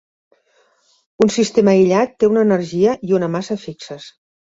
Un sistema aïllat té una energia i una massa fixes.